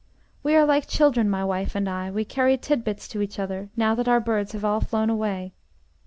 "We are like children, my wife and I, we carry tidbits to each other, now that our birds have all flown away."